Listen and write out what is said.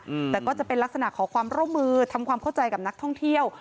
อืมแต่ก็จะเป็นลักษณะขอความร่วมมือทำความเข้าใจกับนักท่องเที่ยว